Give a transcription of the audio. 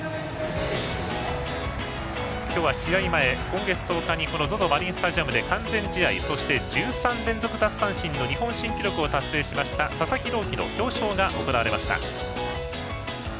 今日は試合前、今月１０日にＺＯＺＯマリンスタジアムで完全試合そして１３連続奪三振の日本新記録を達成しました佐々木朗希の表彰が行われました。